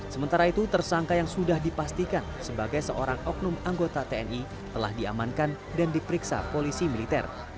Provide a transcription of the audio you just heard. sementara itu tersangka yang sudah dipastikan sebagai seorang oknum anggota tni telah diamankan dan diperiksa polisi militer